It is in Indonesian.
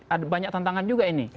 ada banyak tantangan juga ini